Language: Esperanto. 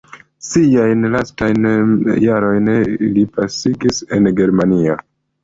Siajn lastajn jarojn li pasigis en Germanio.